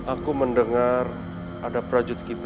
aku mendengar ada prajurit kita drivers